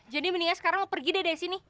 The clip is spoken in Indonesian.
jadi mendingan sekarang lo pergi deh dari sini